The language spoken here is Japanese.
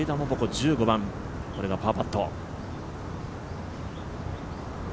１５番、これがパーパット。